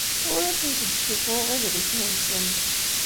Ur asent-d-ssuffuɣeɣ idlisen-nsent.